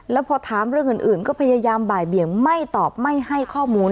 แล้วพอถามเรื่องอื่นก็พยายามบ่ายเบี่ยงไม่ตอบไม่ให้ข้อมูล